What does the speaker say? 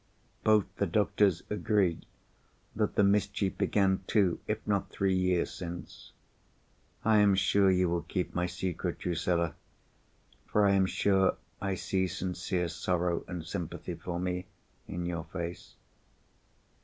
Both the doctors agree that the mischief began two, if not three years since. I am sure you will keep my secret, Drusilla—for I am sure I see sincere sorrow and sympathy for me in your face."